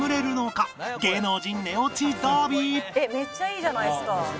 えっめっちゃいいじゃないですか。